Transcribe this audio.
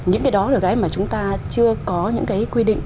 những cái đó là cái mà chúng ta chưa có những cái quy định